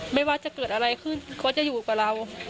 ไม่ว่าจะเกิดอะไรขึ้นเขาจะอยู่กับเรา